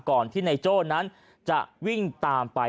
ที่นายโจ้นั้นจะวิ่งตามไป